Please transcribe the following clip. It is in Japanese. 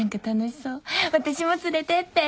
私も連れてって。